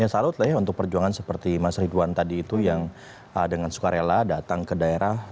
salut lah ya untuk perjuangan seperti mas ridwan tadi itu yang dengan suka rela datang ke daerah